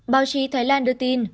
báo chí thái lan đưa tin